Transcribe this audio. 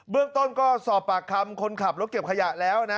เรื่องต้นก็สอบปากคำคนขับรถเก็บขยะแล้วนะ